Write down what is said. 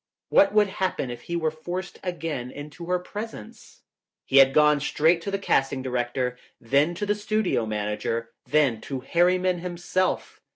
What would happen if he were forced again into her presence? He had gone straight to the casting director, then to the studio manager, then to Harriman himself.